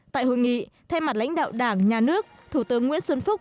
tại hội nghị thay mặt lãnh đạo đảng nhà nước thủ tướng nguyễn xuân phúc